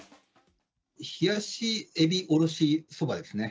冷やしエビおろしそばですね。